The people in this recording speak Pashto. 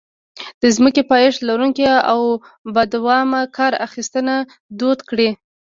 د ځمکې پایښت لرونکې او بادوامه کار اخیستنه دود کړي.